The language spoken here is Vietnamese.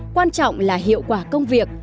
quan trọng là hiệu quả công việc